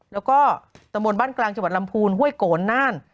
แล้วก็ตะมนต์บ้านกลางจังหวัดลำพูนห้วยโกนน่าน